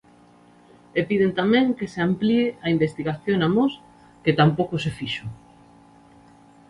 E piden tamén que se amplíe a investigación a Mos, que tampouco se fixo.